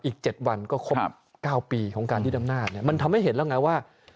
อีก๗วันก็ครบ๙ปีของการยึดอำนาจเนี่ยมันทำให้เห็นแล้วไงว่า